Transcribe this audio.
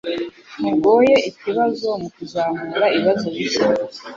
Ntugoye ikibazo mukuzamura ibibazo bishya